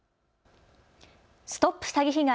ＳＴＯＰ詐欺被害！